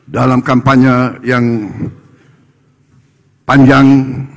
dalam kampanye yang panjang